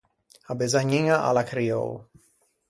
A besagniña a l’à criou.